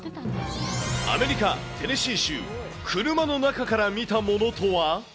アメリカ・テネシー州、車の中から見たものとは？